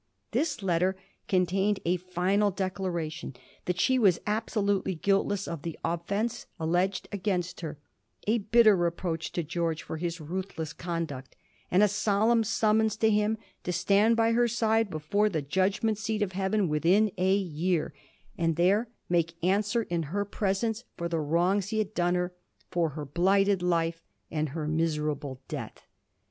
This letter contained a final declaration that she was absolutely guiltless of the offence alleged against her, a bitter i eproach to George for his ruthless conduct, and a solemn summons to him to stand by her side before the judgment seat of Heaven within a year, and there make answer Digiti zed by Google 1727 THE SUMMONS FROM AHLDEN. 351 in her presence for the wrongs he had done her, for her blighted life and her miserable death.